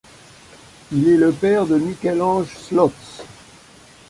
Il est le père de Michel-Ange Slodtz.